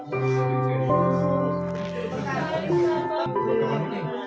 mudah mudahan tak berakhir ya